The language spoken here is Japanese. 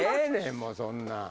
もうそんな。